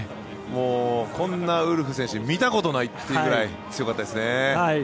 こんなウルフ選手見たことないというくらい強かったですね。